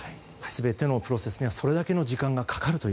全てのプロセスにはそれだけの時間がかかると。